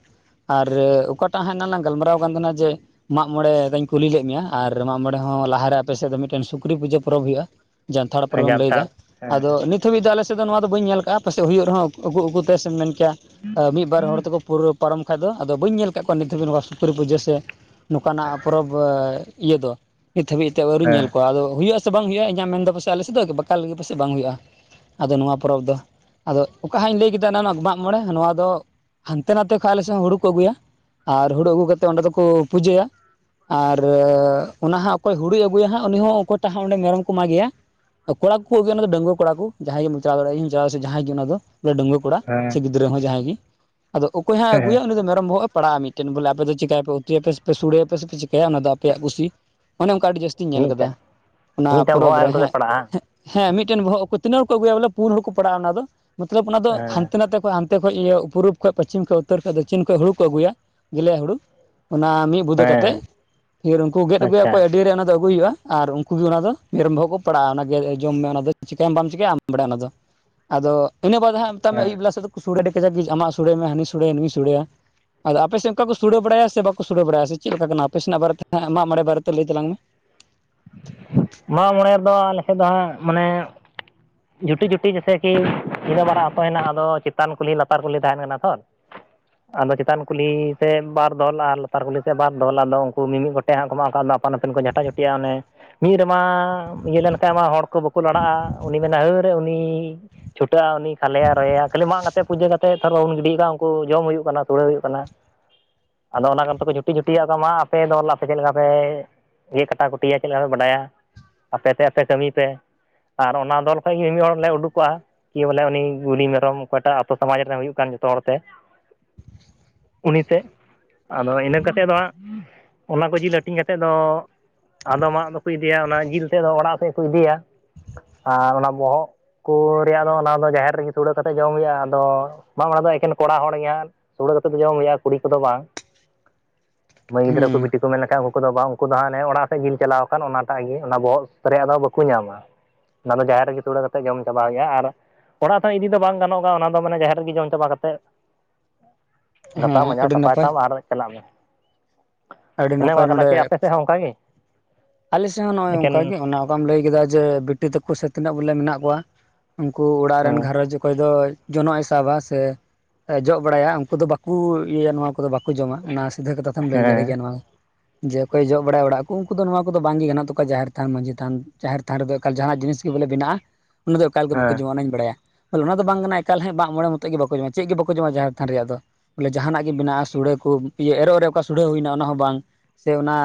ᱟᱨ ᱚᱠᱟᱴᱟᱜ ᱦᱟᱸᱜ ᱮᱱᱟᱝ ᱞᱟᱝ ᱜᱟᱞᱢᱟᱨᱟᱣ ᱠᱟᱱ ᱛᱟᱦᱮᱱᱟ ᱡᱮ ᱢᱟᱜ ᱢᱚᱬᱮ ᱨᱮᱧ ᱠᱩᱞᱤ ᱞᱮᱜ ᱢᱮᱭᱟ ᱟᱨ ᱢᱟᱜ ᱢᱚᱬᱮ ᱦᱚᱸ ᱞᱟᱦᱟᱨᱮ ᱟᱯᱮ ᱥᱮᱫ ᱫᱚ ᱢᱤᱫᱴᱮᱱ ᱥᱩᱠᱨᱤ ᱯᱩᱡᱟᱹ ᱯᱚᱨᱚᱵᱽ ᱦᱩᱭᱩᱜ-ᱟ ᱾ ᱡᱟᱱᱛᱷᱟᱲ ᱯᱚᱨᱚᱵᱮᱢ ᱞᱟᱹᱭ ᱡᱟᱱᱛᱷᱟᱲ ᱮᱫᱟ ᱦᱮᱸ ᱟᱫᱚ ᱱᱤᱛ ᱛᱚ ᱱᱤᱛ ᱦᱟᱹᱵᱤᱡ ᱫᱚ ᱟᱞᱮᱥᱮᱫ ᱫᱚ ᱱᱚᱣᱟ ᱫᱚ ᱵᱟᱹᱧ ᱧᱮᱞ ᱟᱠᱟᱜ-ᱟ ᱯᱟᱥᱮᱪ ᱦᱩᱭᱩᱜ ᱨᱮᱦᱚᱸ ᱩᱠᱩ ᱩᱠᱩᱛᱮ ᱥᱮᱢ ᱢᱮᱱ ᱠᱮᱭᱟ ᱢᱤᱫ ᱵᱟᱨ ᱦᱚᱲ ᱛᱮᱠᱚ ᱯᱩᱨᱟᱹ ᱯᱟᱨᱚᱢ ᱠᱷᱟᱜ ᱫᱚ ᱟᱫᱚ ᱵᱟᱹᱧ ᱧᱮᱞ ᱟᱠᱟᱜ ᱠᱚᱣᱟ ᱱᱤᱛ ᱫᱷᱟᱹᱵᱤᱡ ᱱᱚᱣᱟ ᱥᱩᱠᱨᱤ ᱯᱩᱡᱟᱹ ᱥᱮ ᱱᱚᱠᱟᱱᱟᱜ ᱯᱚᱨᱚᱵᱽ ᱤᱭᱟᱹ ᱫᱚ ᱱᱤᱛ ᱦᱟᱹᱵᱤᱡ ᱛᱮ ᱟᱹᱣᱨᱤᱧ ᱦᱮᱸ ᱧᱮᱞ ᱠᱚᱣᱟ ᱟᱫᱚ ᱦᱩᱭᱩᱜ-ᱟ ᱾ ᱥᱮ ᱵᱟᱝ ᱦᱩᱭᱩᱜ-ᱟ ᱤᱧᱟᱹᱜ ᱢᱮᱱᱫᱚ ᱯᱟᱥᱮ ᱟᱞᱮᱥᱮᱜ ᱫᱚ ᱵᱟᱠᱟᱞ ᱜᱮ ᱯᱟᱥᱮᱜ ᱵᱟᱝ ᱦᱩᱭᱩᱜ-ᱟ ᱟᱫᱚ ᱱᱚᱣᱟ ᱯᱚᱨᱚᱵᱽ ᱫᱚ ᱟᱫᱚ ᱚᱠᱟ ᱦᱟᱸᱜ ᱤᱧ ᱞᱟᱹᱭ ᱠᱮᱫᱟ ᱮᱱᱟ ᱱᱟᱜ ᱢᱟᱜ ᱢᱚᱬᱮ ᱱᱚᱣᱟ ᱫᱚ ᱦᱟᱱᱛᱮ ᱱᱟᱛᱮ ᱠᱷᱚᱡ ᱟᱞᱮ ᱥᱮᱜ ᱦᱚᱸ ᱦᱩᱲᱩ ᱠᱚ ᱟᱹᱜᱩᱭᱟ ᱾ ᱟᱨ ᱦᱩᱲᱩ ᱟᱹᱜᱩ ᱠᱟᱛᱮᱫ ᱚᱸᱰᱮ ᱫᱚᱠᱚ ᱯᱩᱡᱟᱹᱭᱟ ᱾ ᱟᱨ ᱚᱱᱟ ᱦᱟᱸᱜ ᱚᱠᱚᱭ ᱦᱩᱲᱩᱭ ᱟᱹᱜᱩᱭᱟ ᱦᱟᱸᱜ ᱩᱱᱤ ᱦᱚᱸ ᱚᱠᱚᱭ ᱴᱟᱜ ᱦᱟᱸᱜ ᱚᱸᱰᱮ ᱢᱮᱨᱚᱢ ᱠᱚ ᱢᱟᱜᱮᱭᱟ ᱾ ᱠᱚᱲᱟ ᱠᱚᱠᱚ ᱟᱹᱜᱩᱭᱟ ᱚᱱᱟ ᱫᱚ ᱰᱟᱺᱜᱣᱟᱹ ᱠᱚᱲᱟ ᱠᱚ ᱡᱟᱦᱟᱸᱭ ᱜᱮᱢ ᱢᱚᱪᱲᱟᱣ ᱫᱟᱲᱮᱭᱤᱧ ᱡᱟᱦᱟᱭ ᱥᱮ ᱡᱟᱦᱟᱸᱭ ᱜᱮ ᱚᱱᱟ ᱫᱚ ᱾ ᱰᱟᱺᱜᱣᱟᱹ ᱠᱚᱲᱟ ᱦᱮᱸ ᱦᱮᱸ ᱥᱮ ᱜᱤᱫᱽᱨᱟᱹ ᱦᱚᱸ ᱡᱟᱦᱟᱸᱭ ᱜᱮ ᱟᱫᱚ ᱚᱠᱚᱭ ᱦᱟᱸᱜ ᱟᱹᱜᱩᱭᱟ ᱩᱱᱤ ᱫᱚ ᱢᱮᱨᱚᱢ ᱵᱚᱦᱚᱜ ᱮ ᱯᱟᱲᱟᱜ-ᱟ ᱢᱤᱫ ᱴᱮᱱ ᱵᱚᱞᱮ ᱟᱯᱮ ᱫᱚ ᱪᱮᱠᱟᱭᱟ ᱯᱮ ᱩᱛᱩᱭᱟ ᱯᱮ ᱥᱮᱯᱮ ᱥᱩᱲᱟᱹᱭᱟ ᱯᱮ ᱥᱮᱯᱮ ᱪᱮᱠᱟᱭᱟ ᱚᱱᱟ ᱫᱚ ᱟᱯᱮᱭᱟᱜ ᱠᱩᱥᱤ ᱚᱱᱮ ᱚᱱᱠᱟ ᱟᱹᱰᱤ ᱡᱟᱥ ᱛᱤᱧ ᱧᱮᱞ ᱟᱠᱟᱫᱟ ᱢᱤᱫᱴᱟᱝ ᱚᱱᱟ ᱢᱤᱫᱴᱟᱝ ᱯᱚᱨᱚᱵᱽ ᱵᱚᱦᱚᱜ ᱟᱡ ᱨᱮ ᱚᱱᱛᱮ ᱛᱮ ᱦᱮᱸ ᱯᱟᱲᱟᱜᱼᱟ ᱦᱮᱸ ᱢᱤᱫᱴᱮᱱ ᱵᱚᱦᱚᱜ ᱠᱚ ᱛᱤᱱᱟᱹᱜ ᱦᱚᱲ ᱠᱚ ᱟᱹᱜᱩᱭᱟ ᱵᱚᱞᱮ ᱯᱩᱱ ᱦᱚᱲ ᱠᱚ ᱯᱟᱲᱟᱜ-ᱟ ᱚᱱᱟ ᱫᱚ ᱢᱚᱛᱞᱚᱵ ᱚᱱᱟ ᱫᱚ ᱦᱮᱸ ᱦᱟᱱᱛᱮ ᱱᱟᱛᱮ ᱠᱷᱚᱱ ᱦᱟᱱ ᱛᱮ ᱠᱷᱚᱡ ᱤᱭᱟᱹ ᱯᱩᱨᱩᱵ ᱠᱷᱚᱡ ᱯᱚᱪᱷᱤᱢ ᱠᱷᱚᱡ ᱩᱛᱛᱚᱨ ᱠᱷᱚᱡ ᱫᱚᱠᱠᱷᱤᱱ ᱠᱷᱚᱡ ᱦᱩᱲᱩ ᱠᱚ ᱟᱹᱜᱩᱭᱟ ᱜᱮᱞᱮ ᱦᱩᱲᱩ ᱚᱱᱟ ᱢᱤ ᱵᱩᱫᱟᱹ ᱦᱮᱸ ᱠᱟᱛᱮᱫ ᱯᱷᱤᱨ ᱩᱱᱠᱩ ᱜᱮᱫ ᱟᱹᱜᱩᱭᱟ ᱟᱪᱪᱷᱟ ᱠᱚ ᱟᱹᱰᱤ ᱨᱮ ᱚᱱᱟ ᱫᱚ ᱟᱹᱜᱩᱭ ᱦᱩᱭᱩᱜ-ᱟ ᱾ ᱟᱨ ᱩᱱᱠᱩ ᱜᱮ ᱚᱱᱟ ᱫᱚ ᱢᱮᱨᱚᱢ ᱵᱚᱦᱚᱜ ᱠᱚ ᱯᱟᱲᱟᱜ-ᱟ ᱚᱱᱟ ᱜᱮ ᱡᱚᱢ ᱢᱮ ᱚᱱᱟ ᱫᱚ ᱪᱤᱠᱟᱹᱭᱟᱢ ᱵᱟᱢ ᱪᱤᱠᱟᱭᱟᱢ ᱟᱢ ᱜᱮ ᱵᱟᱲᱟᱭᱟ ᱚᱱᱟ ᱫᱚ ᱾ ᱟᱫᱚ ᱤᱱᱟᱹ ᱵᱟᱫ ᱦᱟᱸᱜ ᱢᱮᱛᱟᱜ ᱢᱮ ᱟᱹᱭᱩᱵ ᱦᱮᱸ ᱵᱮᱞᱟ ᱥᱮᱜ ᱫᱚᱠᱚ ᱥᱩᱲᱟᱹᱭᱟ ᱠᱟᱡᱟᱜ ᱜᱮ ᱟᱢᱟᱜ ᱥᱚᱲᱟᱹᱭ ᱢᱮ ᱦᱟᱹᱱᱤ ᱥᱚᱲᱮᱭᱟ ᱱᱩᱭ ᱥᱚᱲᱮᱭᱟ ᱾ ᱟᱫᱚ ᱟᱯᱮ ᱥᱮᱜ ᱚᱱᱠᱟ ᱠᱚ ᱥᱩᱲᱟᱹ ᱵᱟᱲᱟᱭᱟ ᱥᱮ ᱵᱟᱠᱚ ᱥᱩᱲᱟᱹ ᱵᱟᱲᱟᱭᱟ ᱥᱮ ᱪᱮᱞᱠᱟ ᱠᱟᱱᱟ ᱟᱯᱮ ᱥᱮᱱᱟᱜ ᱵᱟᱨᱮ ᱛᱮ ᱱᱟᱜ ᱢᱚᱜ ᱢᱚᱬᱮ ᱵᱟᱨᱮᱛᱮ ᱞᱟᱹᱭ ᱛᱟᱞᱟᱝ ᱢᱮ ᱾ ᱢᱟᱜ ᱢᱚᱬᱮ ᱫᱚ ᱟᱞᱮᱥᱮᱜ ᱫᱚ ᱦᱟᱸᱜ ᱢᱟᱱᱮ ᱡᱷᱩᱴᱤ ᱡᱷᱩᱴᱤ ᱡᱮᱭᱥᱮ ᱠᱤ ᱛᱤᱱᱟᱹᱜ ᱢᱟᱨᱟᱝ ᱟᱛᱳ ᱦᱮᱱᱟᱜ ᱟᱫᱚ ᱪᱮᱛᱟᱱ ᱠᱩᱞᱦᱤ ᱞᱟᱛᱟᱨ ᱠᱩᱞᱦᱤ ᱛᱟᱦᱮᱱ ᱠᱟᱱᱟ ᱛᱚ ᱾ ᱟᱫᱚ ᱪᱮᱛᱟᱱ ᱠᱩᱞᱦᱤ ᱥᱮᱫ ᱵᱟᱨ ᱫᱚᱦᱞᱟ ᱟᱨ ᱞᱟᱛᱟᱨ ᱠᱩᱞᱦᱤ ᱥᱮᱫ ᱵᱟᱨ ᱫᱚᱦᱞᱟ ᱟᱫᱚ ᱩᱱᱠᱩ ᱢᱤᱢᱤᱫ ᱜᱚ ᱛᱮ ᱦᱟᱸᱜ ᱩᱱᱠᱩ ᱢᱟ ᱚᱱᱠᱟ ᱟᱯᱟᱱ ᱟᱹᱯᱤᱱ ᱠᱚ ᱡᱷᱟᱴᱟ ᱡᱷᱩᱴᱤᱜ-ᱟ ᱚᱱᱮ ᱢᱤᱫ ᱨᱮᱢᱟ ᱤᱭᱟᱹ ᱞᱮᱱᱠᱷᱟᱱ ᱢᱟ ᱦᱚᱲ ᱠᱚ ᱵᱟᱠᱚ ᱞᱟᱲᱟᱜ-ᱟ ᱾ ᱩᱱᱤ ᱢᱮᱱᱟ ᱦᱟᱹᱨ ᱩᱱᱤ ᱪᱷᱩᱴᱟᱹᱜ-ᱟ ᱩᱱᱤ ᱠᱷᱟᱞᱮᱭᱟ ᱨᱚᱭᱮᱭᱟ ᱠᱷᱟᱹᱞᱤ ᱢᱟ ᱠᱟᱛᱮ ᱯᱩᱡᱟᱹ ᱠᱟᱛᱮ ᱛᱮᱫ ᱥᱟᱨ ᱵᱟᱵᱚᱱ ᱜᱤᱰᱤᱭ ᱮᱫᱟ ᱩᱱᱠᱩ ᱡᱚᱢ ᱦᱩᱭᱩᱜ ᱠᱟᱱᱟ ᱥᱩᱲᱟᱹ ᱦᱩᱭᱩᱜ ᱠᱟᱱᱟ ᱾ ᱟᱫᱚ ᱚᱱᱟ ᱠᱚᱫᱚ ᱡᱷᱩᱴᱤ ᱡᱷᱩᱴᱤ-ᱟᱜ ᱛᱟᱢᱟ ᱟᱯᱮ ᱫᱚ ᱦᱚᱞᱟ ᱥᱮ ᱪᱮᱜ ᱞᱮᱠᱟ ᱯᱮ ᱫᱤᱭᱮ ᱠᱟᱴᱟ ᱠᱩᱴᱤᱭᱟ ᱪᱮᱞᱠᱟ ᱯᱮ ᱵᱟᱰᱟᱭᱟ ᱟᱯᱮ ᱛᱮ ᱟᱯᱮ ᱠᱟᱹᱢᱤᱭ ᱯᱮ ᱾ ᱚᱱᱟ ᱫᱚᱞ ᱠᱷᱚᱡ ᱜᱮ ᱢᱤᱫ ᱦᱚᱲ ᱞᱮ ᱩᱰᱩᱠᱚᱜ-ᱟ ᱾ ᱠᱤ ᱵᱚᱞᱮ ᱩᱱᱤ ᱜᱩᱞᱤ ᱢᱮᱨᱚᱢ ᱚᱠᱚᱭ ᱴᱟᱜ ᱟᱛᱳ ᱥᱚᱢᱟᱡᱽ ᱨᱮᱱᱮ ᱦᱩᱭᱩᱜ ᱠᱟᱱ ᱡᱚᱛᱚ ᱦᱚᱲᱛᱮ ᱩᱱᱤ ᱛᱮᱜ ᱟᱫᱚ ᱤᱱᱟᱹ ᱠᱟᱛᱮᱜ ᱫᱚ ᱦᱟᱸᱜ ᱚᱱᱟ ᱠᱚ ᱡᱤᱞ ᱦᱟᱹᱴᱤᱧ ᱠᱟᱛᱮᱫ ᱫᱚ ᱟᱫᱚᱢᱟᱜ ᱫᱚᱠᱚ ᱤᱫᱤᱭᱟ ᱚᱱᱟ ᱡᱤᱞ ᱛᱮᱫ ᱫᱚ ᱚᱲᱟᱜ ᱥᱮᱜ ᱠᱚ ᱤᱫᱤᱭᱟ ᱾ ᱟᱨ ᱚᱱᱟ ᱵᱚᱦᱚᱜ ᱠᱚ ᱨᱮᱭᱟᱜ ᱫᱚ ᱚᱱᱟ ᱫᱚ ᱡᱟᱦᱮᱨ ᱨᱮᱜᱮ ᱥᱩᱲᱟᱹ ᱠᱟᱛᱮᱫ ᱡᱚᱢ ᱦᱩᱭᱩᱜᱼᱟ᱾ ᱟᱫᱚ ᱵᱟᱝ ᱚᱱᱟ ᱫᱚ ᱮᱠᱮᱱ ᱠᱚᱲᱟ ᱦᱚᱲ ᱜᱮ ᱦᱟᱸᱜ᱾ ᱥᱩᱲᱟᱹ ᱠᱟᱛᱮ ᱜᱮ ᱡᱚᱢ ᱦᱩᱭᱩᱜᱼᱟ᱾ ᱠᱩᱲᱤ ᱠᱚᱫᱚ ᱵᱟᱝ ᱢᱟᱹᱭ ᱜᱤᱫᱽᱨᱟᱹ ᱦᱩᱸ ᱠᱚ ᱵᱤᱴᱤ ᱢᱮᱱ ᱞᱮᱠᱷᱟᱱ ᱩᱱᱠᱩ ᱫᱚ ᱵᱟᱝ ᱩᱱᱠᱩ ᱫᱚ ᱦᱟᱱᱮ ᱚᱲᱟᱜ ᱥᱮᱫ ᱡᱤᱞ ᱪᱟᱞᱟᱣ ᱟᱠᱟᱱ ᱚᱱᱟᱴᱟᱜ ᱜᱮ ᱚᱱᱟ ᱵᱚᱦᱚᱜ ᱨᱮᱭᱟᱜ ᱫᱚ ᱵᱟᱹᱠᱩ ᱧᱟᱢᱟ᱾ ᱚᱱᱟ ᱫᱚ ᱡᱟᱦᱮᱨ ᱨᱮᱜᱮ ᱥᱩᱲᱟᱹ ᱠᱟᱛᱮᱫ ᱜᱮᱢ ᱪᱟᱵᱟᱣ ᱦᱩᱭᱩᱜ-ᱟ, ᱟᱨ ᱚᱲᱟᱜ ᱛᱮ‌ ᱦᱚᱸ ᱤᱫᱤ ᱫᱚ ᱵᱟᱝ ᱜᱟᱱᱚᱜ-ᱜᱟ ᱚᱱᱟ ᱫᱚ ᱢᱟᱱᱮ ᱡᱟᱦᱮᱨ ᱨᱮᱜᱤ ᱡᱚᱢ ᱪᱟᱵᱟ ᱠᱟᱛᱮᱜ ᱜᱟᱥᱟᱣ ᱦᱮᱸ ᱢᱟᱡᱟᱣ ᱟᱹᱰᱤ ᱥᱟᱯᱟᱭ ᱱᱟᱯᱟᱭ ᱛᱟᱢ ᱟᱨ ᱪᱟᱞᱟᱜ ᱢᱮ᱾ ᱟᱹᱰᱤ ᱚᱱᱮ ᱱᱟᱯᱟᱭ ᱚᱱᱠᱟ ᱠᱟᱱᱟ ᱱᱚᱰᱮ ᱪᱮᱫ ᱟᱯᱮ ᱥᱮᱫ ᱦᱚᱸ ᱚᱱᱠᱟ ᱜᱮ ᱟᱞᱮ ᱥᱮᱡ ᱦᱚᱸ ᱱᱚᱜ-ᱚᱭ ᱚᱱᱠᱟᱜ ᱮᱠᱮᱱ ᱜᱮ ᱚᱱᱟ ᱵᱟᱢ ᱞᱟᱹᱭ ᱠᱮᱫᱟ ᱡᱮ ᱵᱤᱴᱤ ᱛᱟᱠᱩ ᱥᱮ ᱛᱤᱱᱟᱹᱜ ᱵᱚᱞᱮ ᱢᱮᱱᱟᱜ ᱠᱚᱣᱟ ᱩᱱᱠᱩ ᱚᱲᱟᱜ ᱨᱮᱱ ᱦᱮᱸ ᱜᱷᱟᱨᱚᱸᱡ ᱚᱠᱚᱭ ᱫᱚ ᱡᱚᱱᱚᱜ ᱮ ᱥᱟᱵᱟ ᱥᱮ ᱮ ᱡᱚᱜ ᱵᱟᱲᱟᱭᱟ ᱩᱝᱠᱩ ᱫᱚ ᱵᱟᱹᱠᱩ ᱤᱭᱟᱹ ᱭᱟ ᱱᱚᱣᱟ ᱠᱚᱫᱚ ᱵᱟᱠᱚ ᱡᱚᱢᱟ ᱚᱱᱟ ᱥᱤᱫᱷᱟᱹ ᱠᱟᱛᱷᱟ ᱛᱮᱢ ᱞᱟᱹᱭ ᱫᱟᱲᱮ ᱦᱮᱸ ᱜᱮᱭᱟ ᱱᱚᱣᱟ, ᱡᱮ ᱚᱠᱚᱭ ᱡᱚᱜ ᱵᱟᱲᱟᱭ ᱚᱲᱟᱜ ᱠᱩ ᱩᱝᱠᱩ ᱫᱚ ᱱᱚᱣᱟ ᱠᱚᱫᱚ ᱵᱟᱝ ᱜᱮ ᱜᱟᱱᱚᱜ ᱛᱟᱠᱚᱣᱟ ᱡᱟᱦᱮᱨ ᱛᱷᱟᱱ ᱢᱟᱡᱷᱤ ᱛᱷᱟᱱ ᱡᱟᱦᱮᱨ ᱛᱷᱟᱱ ᱨᱮᱫᱚ ᱮᱠᱟᱞ ᱡᱟᱦᱱᱟᱜ ᱡᱤᱱᱤᱥ ᱜᱮ‌ ᱵᱚᱞᱮ ᱵᱮᱱᱟᱜ-ᱟ ᱚᱱᱟ ᱫᱚ ᱮᱠᱟᱞ ᱜᱮ ᱵᱟᱠᱩ ᱡᱚᱢᱟ ᱦᱮᱸ ᱚᱱᱟᱧ ᱵᱟᱲᱟᱭᱟ᱾ ᱛᱟᱞᱮ ᱚᱱᱟ ᱫᱚ ᱵᱟᱝ ᱠᱟᱱᱟ ᱮᱠᱟᱞ ᱦᱮ ᱰᱟᱸᱜ ᱢᱚᱬᱮ ᱢᱚᱛᱚᱡ ᱜᱮ ᱵᱟᱠᱚ ᱡᱚᱢᱟ, ᱪᱮᱜ ᱜᱮ ᱵᱟᱠᱚ ᱡᱚᱢᱟ ᱡᱟᱦᱮᱨ ᱛᱷᱟᱱ ᱨᱮᱭᱟᱜ ᱫᱚ᱾ ᱵᱚᱞᱮ ᱡᱟᱦᱟᱱᱟᱜ ᱜᱮ ᱵᱮᱱᱟᱜ-ᱟ ᱥᱩᱚᱲᱟᱹ ᱠᱩ ᱤᱭᱟᱹ ᱮᱨᱚᱜ ᱨᱮ ᱚᱠᱟ ᱥᱩᱚᱲᱟᱹ ᱦᱩᱭᱱᱟ ᱚᱱᱟ ᱦᱚᱸ ᱵᱟᱝ ᱥᱮ ᱚᱱᱟ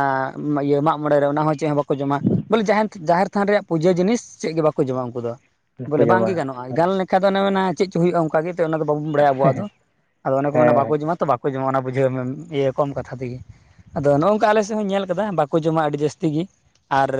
ᱤᱭᱟᱹ ᱢᱟᱜ ᱢᱚᱬᱮ ᱨᱮ ᱚᱱᱟ ᱦᱚᱸ ᱪᱮᱜ ᱦᱚᱸ ᱵᱟᱠᱚ ᱡᱚᱢᱟ ᱵᱚᱞᱮ ᱡᱟᱦᱮᱱᱛ ᱡᱟᱷᱮᱨ ᱛᱷᱟᱱ ᱨᱮᱭᱟᱜ ᱯᱩᱡᱟᱹ ᱡᱤᱱᱤᱥ ᱪᱮᱜ ᱜᱮ ᱵᱟᱠᱚ ᱡᱚᱢᱟ ᱩᱱᱠᱩ ᱫᱚ, ᱵᱟᱠᱚ ᱵᱚᱞᱮ ᱵᱟᱝ ᱡᱚᱢᱟ ᱜᱮ ᱜᱟᱱᱚᱜ ᱜᱟᱱ ᱞᱮᱠᱟᱱ ᱫᱚ ᱚᱱᱮ ᱢᱮᱱᱟ ᱪᱮᱫ ᱪᱚ ᱦᱩᱭᱩᱜ-ᱟ ᱚᱱᱠᱟ ᱜᱮ, ᱚᱱᱟ ᱫᱚ ᱵᱟᱵᱚᱱ ᱵᱟᱲᱟᱭᱟ ᱟᱵᱚᱣᱟᱜ ᱫᱚ, ᱟᱫᱚ ᱚᱱᱮ ᱠᱚ ᱢᱮᱱᱟ ᱦᱮᱸ ᱵᱟᱠᱚ ᱡᱚᱢᱟ ᱛᱚ ᱠᱚ ᱡᱮᱚᱱ ᱚᱱᱟ ᱵᱩᱡᱷᱟᱹᱣ ᱢᱮ ᱤᱭᱟᱹ ᱠᱚᱢ ᱠᱟᱛᱷᱟ ᱛᱮᱜᱮ᱾ ᱟᱫᱚ ᱱᱚᱜᱝᱠᱟ ᱟᱞᱮ ᱥᱮᱡ ᱦᱚᱸᱧ ᱧᱮᱞ ᱠᱟᱫᱟ ᱵᱟᱠᱚ ᱡᱚᱢᱟ ᱟᱹᱰᱤ ᱡᱟᱹᱥᱛᱤ ᱜᱤ, ᱟᱨᱻ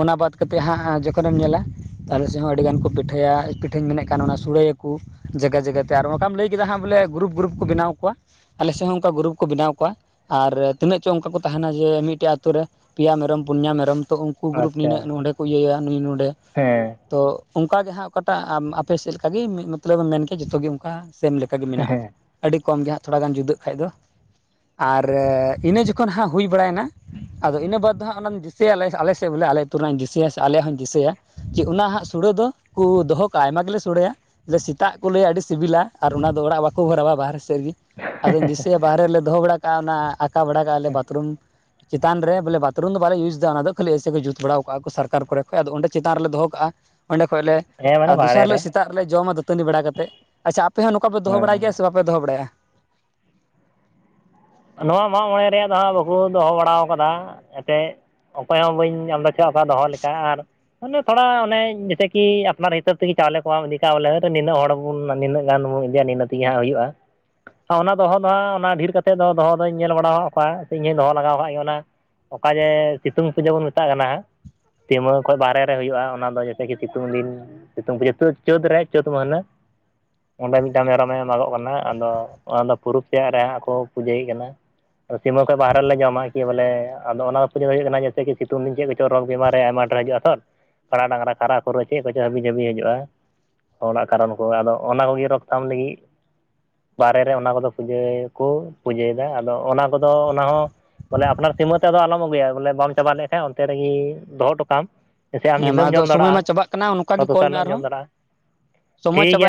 ᱚᱱᱟ ᱵᱟᱫ ᱠᱟᱛᱮᱫ ᱦᱟᱸᱜ ᱡᱚᱠᱷᱚᱱᱮᱢ ᱧᱮᱞᱟ ᱛᱟᱦᱞᱮ ᱥᱮᱫ ᱦᱚᱸ ᱟᱹᱰᱤᱜᱟᱱ ᱠᱚ ᱯᱤᱴᱷᱟᱹᱭᱟ ᱯᱤᱴᱷᱟᱹᱧ ᱢᱮᱱᱮᱜ ᱠᱟᱱ ᱚᱱᱟ ᱥᱩᱲᱟᱹᱭᱟ ᱠᱩ᱾ ᱡᱟᱜᱟ ᱡᱟᱜᱟ ᱛᱮ, ᱟᱨ ᱚᱠᱟᱢ ᱞᱟᱹᱭ ᱠᱮᱫᱟᱟᱸᱜ ᱵᱚᱞᱮ ᱜᱨᱩᱯ ᱜᱨᱩᱯ ᱠᱚ ᱵᱮᱱᱟᱣ ᱠᱚᱣᱟ ᱟᱞᱮ ᱥᱮᱡ ᱦᱚᱸ ᱚᱱᱠᱟ ᱜᱨᱩᱯ ᱠᱚ ᱵᱮᱱᱟᱣ ᱠᱚᱣᱟ ᱟᱨ ᱛᱤᱱᱟᱹᱜ ᱪᱚ ᱚᱱᱠᱟ ᱠᱚ ᱛᱟᱦᱮᱱᱟ ᱡᱮ ᱢᱤᱫᱴᱮᱡ ᱟᱹᱛᱩ ᱨᱮ ᱯᱮᱭᱟ ᱢᱮᱨᱚᱢ ᱯᱩᱱᱭᱟ ᱢᱮᱨᱚᱢ ᱛᱚ ᱩᱝ ᱠᱩ ᱜᱨᱩᱯ ᱟᱪᱪᱷᱟ ᱱᱤᱱᱟᱹᱜ ᱱᱚᱸᱰᱮ ᱠᱚ ᱤᱭᱟᱹᱭᱟ ᱱᱩᱭ ᱱᱚᱰᱮ᱾ ᱦᱮᱸ ᱛᱚ ᱚᱝᱠᱟ ᱜᱮ ᱦᱟᱸᱜ ᱚᱠᱟᱴᱟᱜ ᱟᱯᱮ ᱥᱮᱫ ᱞᱮᱠᱟ ᱜᱤ ᱢᱤᱫ ᱢᱚᱛᱞᱚᱵ ᱮᱢ ᱢᱮᱱ ᱠᱮᱭᱟ ᱡᱚᱛᱚᱜᱮ ᱚᱱᱠᱟ ᱥᱮᱢ ᱞᱮᱠ ᱠᱟ ᱜᱮ ᱢᱮᱱᱟᱜ-ᱟ, ᱦᱮᱸ ᱟᱹᱰᱤ ᱠᱚᱢ ᱜᱮ ᱦᱟᱸᱜ ᱛᱷᱚᱲᱟ ᱜᱟᱱ ᱡᱩᱫᱟᱹᱜ ᱠᱷᱟᱡ ᱫᱚ᱾ ᱟᱨ ᱤᱱᱟᱹ ᱡᱚᱠᱷᱚᱱ ᱦᱟᱸᱜ ᱦᱩᱭ ᱵᱟᱲᱟᱭᱮᱱᱟ᱾ ᱟᱫᱚ ᱤᱱᱟᱹ ᱵᱟᱫᱽ ᱫᱚ ᱦᱟᱸᱜ ᱚᱱᱟ ᱫᱤᱥᱟᱹᱭᱟᱞᱮ ᱟᱞᱮ ᱥᱮᱫ ᱵᱚᱞᱮ ᱟᱞᱮ ᱟᱹᱛᱩ ᱨᱮᱱᱟᱜ ᱤᱧ ᱫᱤᱥᱟᱹᱭᱟ ᱥᱮ ᱟᱮᱭᱟᱜ ᱦᱚᱸᱧ ᱫᱤᱥᱟᱹᱭᱟ, ᱡᱮ ᱚᱱᱟ ᱦᱟᱸᱜ ᱥᱚᱲᱟᱹ ᱫᱚ ᱠᱩ ᱫᱚᱦᱚ ᱠᱟᱜ-ᱟ ᱟᱭᱢᱟ ᱜᱮᱞᱮ ᱥᱩᱲᱟᱹᱭᱟ, ᱡᱮ ᱥᱮᱛᱟᱜ ᱠᱚ ᱞᱟᱹᱭᱟ ᱟᱹᱰᱤ ᱥᱤᱵᱤᱞᱟ ᱟᱨ ᱚᱱᱟ ᱫᱚ ᱚᱲᱟᱜ ᱵᱟᱠᱚ ᱵᱷᱚᱨᱟᱣᱟ ᱵᱟᱦᱨᱮ ᱥᱮᱫ ᱨᱮᱜᱤ ᱟᱫᱩᱧ ᱫᱤᱥᱟᱹᱭᱟ ᱵᱟᱦᱨᱮ ᱨᱮᱞᱮ ᱫᱚᱦᱚ ᱵᱟᱲᱟ ᱠᱟᱜ-ᱟ ᱚᱱᱟ ᱟᱠᱟ ᱵᱟᱲᱟ ᱠᱟᱜ-ᱟ ᱞᱮ ᱵᱟᱛᱷᱨᱩᱢ ᱪᱮᱛᱟᱱ ᱨᱮ ᱵᱚᱞᱮ ᱵᱟᱛᱨᱩᱢ ᱫᱚ ᱵᱟᱞᱮ ᱤᱭᱩᱥ ᱫᱟ ᱚᱱᱟ ᱫᱚ ᱠᱷᱟᱹᱞᱤ ᱮᱭᱥᱮ ᱠᱚ ᱡᱩᱛ ᱵᱟᱲᱟᱣ ᱠᱟᱜ-ᱟ ᱠᱩ᱾ ᱥᱚᱨᱠᱟᱨ ᱠᱚᱨᱮ ᱠᱷᱚᱱᱚᱡ ᱟᱫᱚᱸᱰᱮ ᱪᱮᱛᱟᱱ ᱨᱮᱞᱮ ᱫᱚᱦᱚ ᱠᱟᱜᱼᱟ᱾ ᱚᱸᱰᱮ ᱠᱷᱚᱡᱞᱮ ᱦᱮᱸ ᱢᱟᱱᱮ ᱟᱨ ᱵᱟᱦᱨᱮ ᱫᱚᱥᱟᱨ ᱨᱮ ᱦᱤᱞᱳᱜ ᱥᱮᱛᱟᱜ ᱨᱮᱞᱮ ᱡᱚᱢᱟ ᱫᱟᱹᱛᱟᱹᱱᱤ ᱵᱟᱲᱟ ᱠᱟᱛᱮᱫ᱾ ᱟᱪᱪᱷᱟ ᱟᱯᱮ ᱦᱚᱸ ᱱᱚᱝᱠᱟ ᱯᱮ ᱫᱚᱦᱚ ᱵᱟᱲᱟᱭ ᱜᱮᱭᱟ ᱥᱮ ᱵᱟᱯᱮ ᱫᱚᱚ ᱵᱟᱲᱟᱭᱟ? ᱱᱚᱣᱟ ᱢᱟᱜ ᱢᱚᱬᱮ ᱨᱮᱭᱟᱜ ᱫᱚ ᱦᱟᱸᱜ ᱵᱟᱠᱩ ᱫᱚᱦᱚ ᱵᱟᱲᱟᱣ ᱠᱟᱫᱟ ᱮᱱᱛᱮᱫ ᱚᱠᱚᱭ ᱦᱚᱸ ᱵᱟᱹᱧ ᱟᱫᱟᱪ ᱠᱚᱣᱟ ᱫᱚᱦᱚ ᱞᱮᱠᱟ, ᱟᱨ ᱟᱱᱮ ᱛᱷᱚᱲᱟ ᱚᱱᱮ ᱡᱮᱥᱮᱠᱤ ᱟᱯᱱᱟᱨ ᱦᱤᱥᱟᱹᱵ ᱛᱮᱜᱤ ᱪᱟᱣᱞᱮ ᱠᱚ ᱵᱟᱢ ᱤᱫᱤ ᱠᱟᱜ-ᱟ ᱵᱚᱞᱮ ᱱᱤᱱᱟᱹᱜ ᱦᱚᱲ ᱟᱵᱚ ᱵᱩᱱ ᱤᱱᱤᱱᱟᱹᱜ ᱜᱟᱱ ᱵᱚᱱ ᱤᱫᱤᱭᱟ ᱱᱤᱱᱟᱹ ᱛᱮᱜᱮ ᱦᱟᱸᱜ ᱦᱩᱭᱩᱜ-ᱟ, ᱚᱱᱟ ᱫᱚᱦᱚ ᱫᱚ ᱦᱟᱸᱜ ᱚᱱᱟ ᱰᱷᱤᱨ ᱠᱟᱛᱮᱫ ᱫᱚᱦᱚ ᱫᱚᱧ ᱧᱮᱞ ᱵᱟᱲᱟᱣ ᱠᱟᱫ ᱠᱚᱣᱟ, ᱥᱮ ᱤᱧ ᱦᱚᱸᱧ ᱫᱚᱦᱚ ᱞᱟᱜᱟᱣ ᱟᱠᱟᱜ ᱜᱮ, ᱚᱱᱟ ᱚᱠᱟ ᱡᱮ ᱥᱤᱛᱩᱝ ᱯᱩᱡᱟᱹ ᱵᱚᱱ ᱢᱮᱛᱟᱜ ᱠᱟᱱᱟ ᱦᱟᱸ ᱥᱤᱢᱟᱹ ᱠᱷᱚᱡ ᱵᱟᱦᱨᱮ ᱨᱮ ᱦᱩᱭᱩᱜ-ᱟ ᱚᱱᱟ ᱫᱚ ᱡᱮᱛᱮ ᱠᱤ ᱥᱤᱛᱩᱝ ᱫᱤᱱ ᱥᱤᱛᱩᱝ ᱯᱩᱡᱟᱹ ᱛᱟᱹ ᱪᱳᱫᱽ ᱨᱮ ᱪᱳᱫ ᱢᱟᱹᱦᱱᱟᱹ, ᱚᱸᱰᱮ ᱢᱤᱜᱴᱟᱱ ᱢᱮᱨᱚᱢ ᱮ ᱢᱟᱜᱚᱜ ᱠᱟᱱᱟ, ᱟᱫᱚ ᱚᱱᱟ ᱫᱚ ᱯᱩᱨᱩᱵ ᱛᱮᱭᱟᱜ ᱨᱮᱦᱟᱸᱜ ᱠᱚ ᱯᱩᱡᱟᱹᱭᱮ ᱠᱟᱱᱟ᱾ ᱫᱚ‌ ᱥᱤᱢᱟᱹ ᱠᱷᱚᱱᱚᱡ ᱵᱟᱦᱨᱮᱞᱮ ᱡᱚᱢᱟ, ᱠᱤ ᱵᱚᱞᱮ ᱟᱫᱚ ᱚᱱᱟ ᱠᱚ ᱫᱚ ᱦᱩᱭᱩᱜ ᱠᱟᱱᱟ ᱡᱮᱥᱮ ᱠᱤ ᱥᱤᱛᱩᱝ ᱫᱤᱱ ᱪᱮᱫ ᱠᱚ ᱨᱳᱜ ᱵᱤᱢᱟᱨᱮ ᱟᱭᱢᱟ ᱰᱷᱮᱨ ᱦᱤᱡᱩᱜ-ᱟ ᱥᱚᱞ ᱯᱷᱲᱟ ᱰᱟᱝᱨᱟ ᱠᱷᱟᱨᱟ ᱠᱷᱩᱨᱟᱹ ᱪᱮᱜ ᱠᱚᱪᱚ ᱦᱟᱹᱵᱤ ᱡᱟᱹᱵᱤ ᱦᱤᱡᱩᱜ-ᱟ᱾ ᱦᱚᱲᱟᱜ ᱠᱟᱨᱚᱱ ᱠᱚ ᱟᱫᱚ ᱚᱱᱟ ᱠᱚᱜᱮ ᱨᱳᱜ ᱛᱷᱟᱢ ᱞᱟᱹᱜᱤᱜ ᱵᱟᱦᱨᱮ ᱨᱮ ᱚᱱᱟ ᱠᱚᱫᱚ ᱯᱩᱡᱟᱹ ᱠᱚ ᱯᱩᱡᱟᱹᱭ ᱮᱫᱟ, ᱟᱫᱚ ᱚᱱᱟ ᱠᱚᱫᱚ ᱚᱱᱟ ᱦᱚᱸ ᱵᱚᱞᱮ ᱟᱯᱱᱟᱨ ᱥᱤᱢᱟᱹ ᱛᱮᱫᱚ ᱟᱞᱚᱢ ᱟᱹᱜᱩᱭᱟ, ᱵᱚᱞᱮ ᱵᱟᱢ ᱪᱟᱵᱟ ᱞᱮᱜ- ᱠᱷᱟᱡ ᱚᱱᱛᱮ ᱨᱮᱜᱤ ᱫᱚᱦᱚ ᱦᱚᱴᱚ ᱠᱟᱜ ᱟᱢ ᱥᱮ ᱟᱢ ᱦᱮᱸ ᱢᱟ ᱧᱤᱫᱟᱹᱢ ᱟᱫᱚ ᱡᱚᱢ ᱥᱚᱢᱚᱭ ᱢᱟ ᱫᱟᱲᱮᱭᱟᱜ-ᱟ, ᱪᱟᱵᱟᱜ ᱠᱟᱱᱟ ᱱᱚᱝᱠᱟ ᱛᱚ ᱜᱮ ᱠᱚᱞ ᱫᱚᱥᱟᱨ ᱢᱮ ᱦᱤᱞᱳᱜ ᱡᱚᱢ ᱟᱨᱦᱚᱸ ᱫᱟᱲᱮᱭᱟᱜ-ᱟ᱾ ᱴᱷᱤᱠ ᱥᱚᱢᱚᱭ ᱜᱮᱭᱟ ᱪᱟᱵᱟᱭᱮᱱᱟ